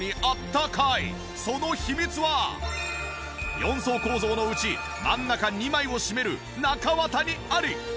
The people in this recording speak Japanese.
４層構造のうち真ん中２枚を占める中綿にあり！